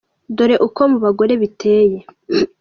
Dore uko mu bagore biteye :